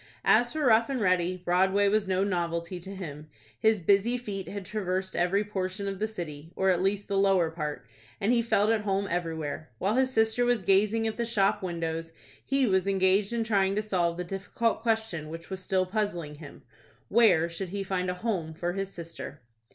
As for Rough and Ready, Broadway was no novelty to him. His busy feet had traversed every portion of the city, or at least the lower part, and he felt at home everywhere. While his sister was gazing at the shop windows, he was engaged in trying to solve the difficult question which was still puzzling him,—"Where should he find a home for his sister?"